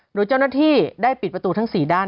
โดยเจ้าหน้าที่ได้ปิดประตูทั้ง๔ด้าน